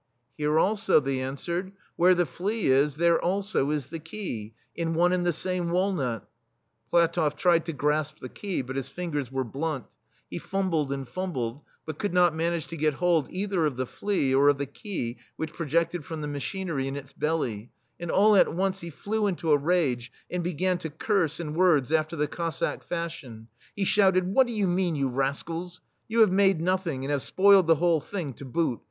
"Here, also/* theyanswered."Where the flea is, there, also, is the key, in one and the same walnut/* PlatofF tried to grasp the key, but his fingers were blunt ; he fumbled and fumbled, but could not manage to get hold either of the flea, or of the key which projedted from the machinery in its belly, and all at once he flew into a rage, and began to curse in words after the Cossack fashion. He shouted :" What do you mean, you rascals ? You have made nothing, and have spoiled the whole thing, to boot